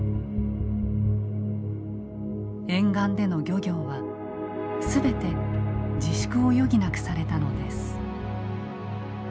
沿岸での漁業は全て自粛を余儀なくされたのです。